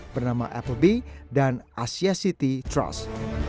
bernama applebee dan asia city trust